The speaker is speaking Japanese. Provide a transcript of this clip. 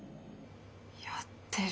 やってる。